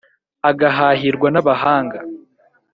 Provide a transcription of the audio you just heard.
agahahirwa n'abahanga